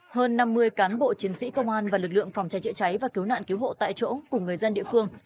hơn năm mươi cán bộ chiến sĩ công an và lực lượng phòng cháy chữa cháy và cứu nạn cứu hộ tại chỗ cùng người dân địa phương